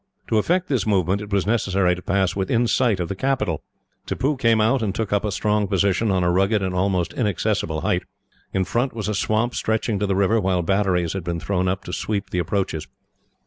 To effect this movement, it was necessary to pass within sight of the capital. Tippoo came out, and took up a strong position, on a rugged and almost inaccessible height. In front was a swamp stretching to the river, while batteries had been thrown up to sweep the approaches.